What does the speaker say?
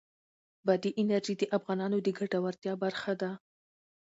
بادي انرژي د افغانانو د ګټورتیا برخه ده.